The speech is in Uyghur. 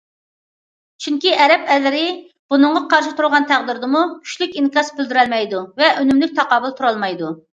چۈنكى ئەرەب ئەللىرى بۇنىڭغا قارشى تۇرغان تەقدىردىمۇ، كۈچلۈك ئىنكاس بىلدۈرەلمەيدۇ ۋە ئۈنۈملۈك تاقابىل تۇرالمايدۇ.